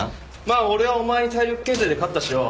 まあ俺はお前に体力検定で勝ったしよ。